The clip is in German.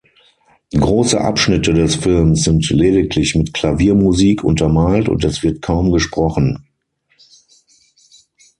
Große Abschnitte des Films sind lediglich mit Klaviermusik untermalt und es wird kaum gesprochen.